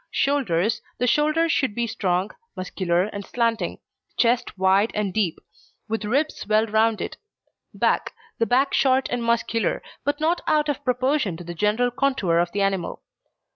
SHOULDERS The shoulders should be strong, muscular, and slanting; the chest wide and deep, with ribs well rounded. BACK The back short and muscular, but not out of proportion to the general contour of the animal.